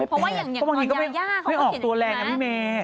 เพราะว่าบางทีก็ไม่ออกตัวแรงนะพี่เมย์